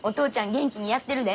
元気にやってるで。